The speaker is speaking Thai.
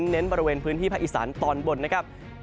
เน้นบริเวณพื้นที่ภาคอีสานตอนบนนะครับ